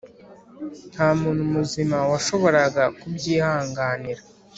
ntamuntu muzima washoboraga kubyihanganira: